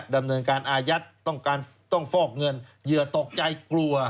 ดำเนินการอายัดต้องการต้องฟอกเงินเหยื่อตกใจกลัว